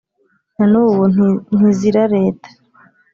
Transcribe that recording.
Na n’ubu ntizirareta